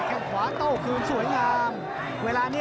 แข่งขวาโต้คืงสวยงาม